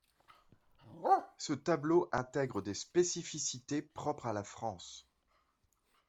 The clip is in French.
Ce tableau intègre des spécificités propres à la France.